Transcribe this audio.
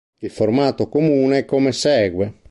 Il formato comune è come segue.